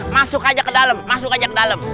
masuk aja ke dalem masuk aja ke dalem